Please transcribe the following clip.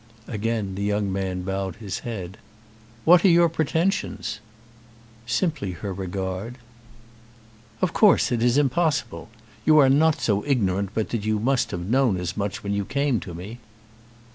Again the young man bowed his head. "What are your pretensions?" "Simply her regard." "Of course it is impossible. You are not so ignorant but that you must have known as much when you came to me."